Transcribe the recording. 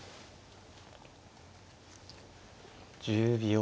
１０秒。